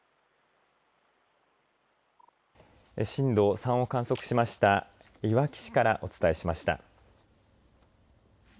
震度３の揺れを観測したいわき市からお伝えしました。